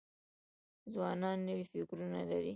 ځوانان نوي فکرونه لري.